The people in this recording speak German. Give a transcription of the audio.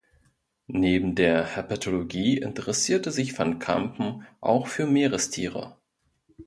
Neben der Herpetologie interessierte sich van Kampen auch für Meerestiere.